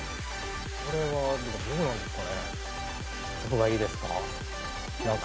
これはでもどうなんですかね？